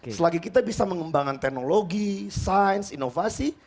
selagi kita bisa mengembangkan teknologi sains inovasi